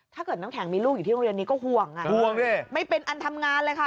ถ้าเกิดน้ำแข็งมีลูกอยู่ที่โรงเรียนนี้ก็ห่วงอ่ะห่วงดิไม่เป็นอันทำงานเลยค่ะ